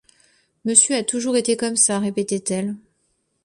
Monsieur a toujours été comme ça, répétait-elle.